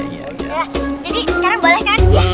jadi sekarang boleh kan